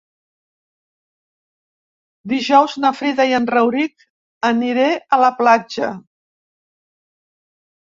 Dijous na Frida i en Rauric aniré a la platja.